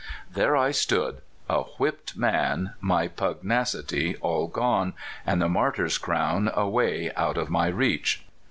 A DAY. 243 There I stood, a whipped man, my pugnacity all gone, and the martyr's crown away out of my reach.